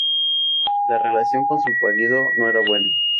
La relación con su marido no fue buena.